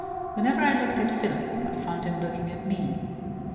Whenever I looked at Philip, I found him looking at me.